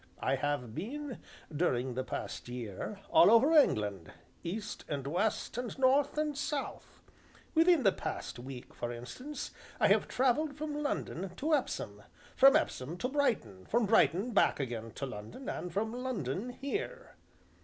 I have been, during the past year, all over England, east, and west, and north, and south; within the past week, for instance, I have travelled from London to Epsom, from Epsom to Brighton, from Brighton back again to London, and from London here.